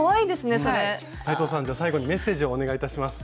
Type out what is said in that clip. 斉藤さんじゃ最後にメッセージをお願いいたします。